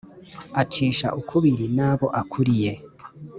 acisha ukubiri n`abo akuriye